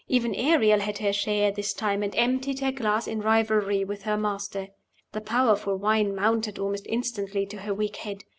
Even Ariel had her share this time, and emptied her glass in rivalry with her master. The powerful wine mounted almost instantly to her weak head.